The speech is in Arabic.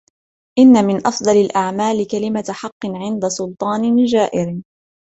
إنَّ مِنْ أَفْضَلِ الْأَعْمَالِ كَلِمَةَ حَقٍّ عِنْدَ سُلْطَانٍ جَائِرٍ